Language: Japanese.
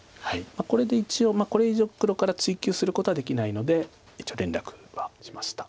これで一応これ以上黒から追及することはできないので一応連絡はしました。